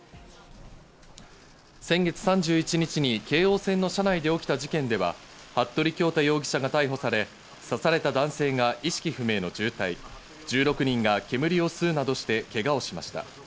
先月３１日に京王線の車内で起きた事件では、服部恭太容疑者が逮捕され、刺された男性が意識不明の重体、１６人が煙を吸うなどしてけがをしました。